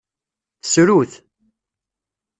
Tessru-t.